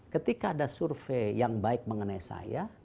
ketika ada survei yang baik mengenai saya